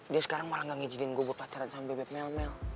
dia sekarang malah gak ngijinin gue buat pacaran sama bebek melmel